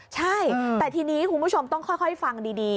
ใช่แต่ทีนี้คุณผู้ชมต้องค่อยฟังดี